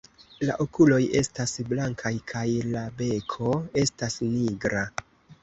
La okuloj estas blankaj kaj la beko estas nigra.